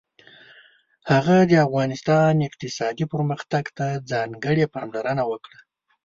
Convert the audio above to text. هغه د افغانستان اقتصادي پرمختګ ته ځانګړې پاملرنه وکړه.